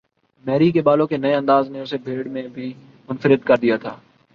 میری کے بالوں کے نئے انداز نے اسے بھیڑ میں بھی منفرد کر دیا تھا۔